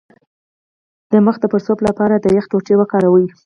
د مخ د پړسوب لپاره د یخ ټوټې وکاروئ